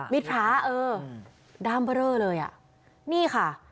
พระเออด้ามเบอร์เรอเลยอ่ะนี่ค่ะ